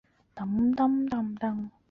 信号肽肽链。